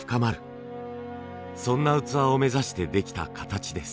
そんな器を目指してできた形です。